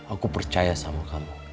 aku percaya sama kamu